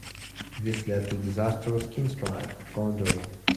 This led to the disastrous Kinstrife of Gondor.